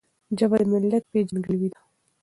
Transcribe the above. ژبه د ملت پیژندګلوي ده.